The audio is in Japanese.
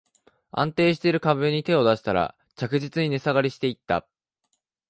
安定してる株に手を出したら、着実に値下がりしていった